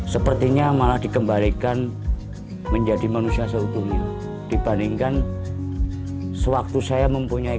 sepertinya malah dikembalikan menjadi manusia sehubungnya dibandingkan sewaktu saya mempunyai